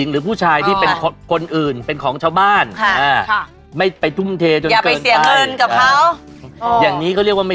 รักแท้มันต้องไม่เป็นแบบนี้